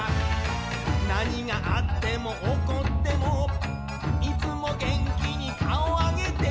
「何があっても起こっても」「いつも元気に顔上げて」